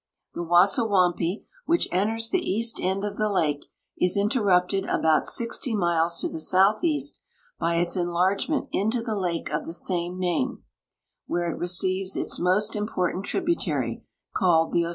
TIk; Wasawampi, which enters the east end of the take, is interrupted about (iO miles to the southeast by its enlargement into the lake of the same name, where it receives its most important tributary, called the O'.